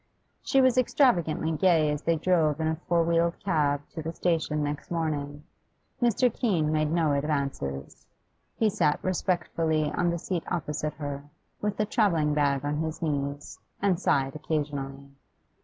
She was extravagantly gay as they drove in a four wheeled cab to the station next morning. Mr. Keene made no advances. He sat respectfully on the seat opposite her, with a travelling bag on his knees, and sighed occasionally.